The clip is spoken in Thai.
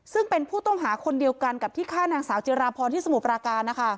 ซึ่งเป็นผู้ต้องหาคนเดียวกันกับที่ฆ่านางสาวจิราพรที่สมุทรปราการ